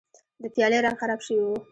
د پیالې رنګ خراب شوی و.